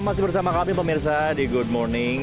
masih bersama kami pemirsa di good morning